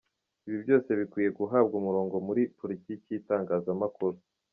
Ibi byose bikwiye guhabwa umurongo muri politiki y’itangazamakuru.